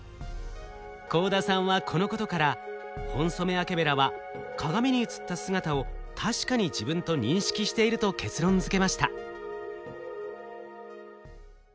幸田さんはこのことからホンソメワケベラは鏡に映った姿を確かに自分と認識していると結論づけました。